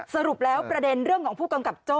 สรุปแล้วประเด็นเรื่องของผู้กำกับโจ้